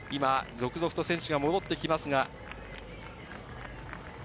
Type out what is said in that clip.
続々と選手が戻ってきます。